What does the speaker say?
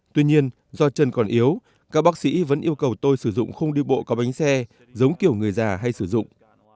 tuy nhiên do chân còn yếu các bác sĩ vẫn yêu cầu tôi sử dụng không đi bộ có bánh xe giống kiểu người già hay sử dụng